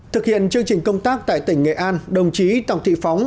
thực hiện chương trình công tác tại tỉnh nghệ an đồng chí tòng thị phóng